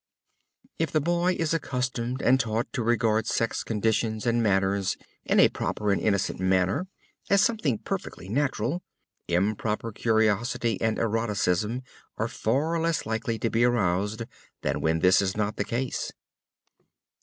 If a boy is accustomed and taught to regard sex conditions and matters in a proper and innocent manner, as something perfectly natural, improper curiosity and eroticism are far less likely to be aroused than when this is not the case.